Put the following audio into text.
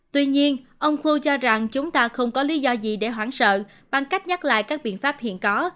tuy nhiên ông khu cho rằng chúng ta không có lý do gì để hoảng sợ bằng cách nhắc lại các biện pháp hiện có